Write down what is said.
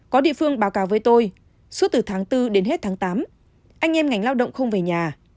có địa phương báo cáo với tôi suốt từ tháng bốn đến hết tháng tám anh em ngành lao động không về nhà